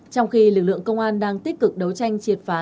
trong khi lực lượng công an đang tích cực đấu tranh triệt phá